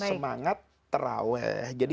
semangat terawih jadi